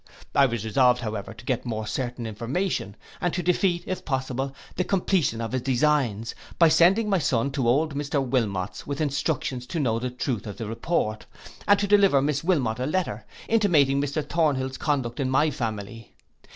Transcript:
I was resolved, however, to get more certain information, and to defeat, if possible, the completion of his designs, by sending my son to old Mr Wilmot's, with instructions to know the truth of the report, and to deliver Miss Wilmot a letter, intimating Mr Thornhill's conduct in my family.